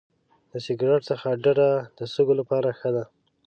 د سګرټ څخه ډډه د سږو لپاره ښه ده.